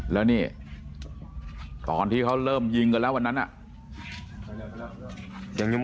แล้วนี่ตอนที่เขาเริ่มยิงกันแล้ววันนั้นน่ะ